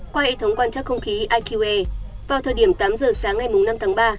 qua hệ thống quan chắc không khí iqe vào thời điểm tám giờ sáng ngày năm tháng ba